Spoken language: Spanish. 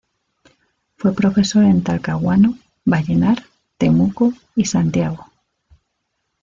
Fue profesor en Talcahuano, Vallenar, Temuco y Santiago.